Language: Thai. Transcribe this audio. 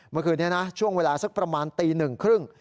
เมื่อคืนนี้นะช่วงเวลาสักประมาณตี๑๓๐น